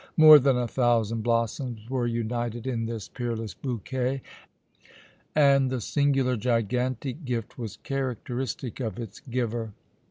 More than a thousand blossoms were united in this peerless bouquet, and the singular gigantic gift was characteristic of its giver.